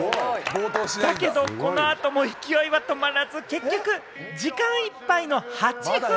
だけど、この後も勢いは止まらず、結局、時間いっぱいの８分。